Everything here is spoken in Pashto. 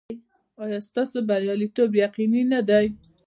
ایا ستاسو بریالیتوب یقیني نه دی؟